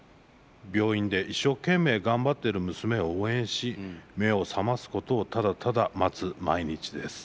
病院で一生懸命頑張ってる娘を応援し目を覚ますことをただただ待つ毎日です」。